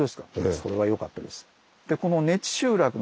それはよかったです。